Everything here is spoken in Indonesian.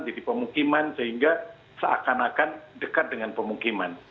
jadi pemukiman sehingga seakan akan dekat dengan pemukiman